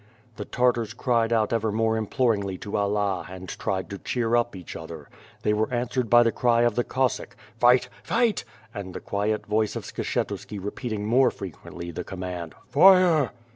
The Tartars cried out ever more imploringly to Allah and tried to cheer up each other. They were answered by the cry of the Cossack, "Fight! Fight!" and the quiet voice of Skshetuski repeating more frequently the command "Fire!"